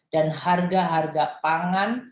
dan harga harga pangan